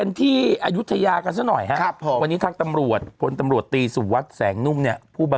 นี่คือในความสนใจการ